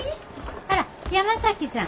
あら山崎さん。